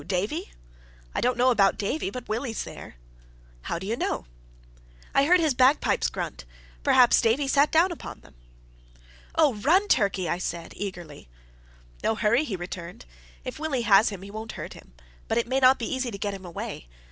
Davie?" "I don't know about Davie; but Willie's there." "How do you know?" "I heard his bagpipes grunt. Perhaps Davie sat down upon them." "Oh, run, Turkey!" I said, eagerly. "No hurry," he returned. "If Willie has him, he won't hurt him, but it mayn't be easy to get him away.